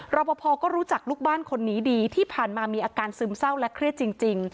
รอปภก็รู้จักลูกบ้านคนนี้ดีที่ผ่านมามีอาการซึมเศร้าและเครียดจริง